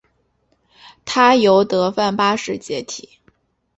他由德范八世接替。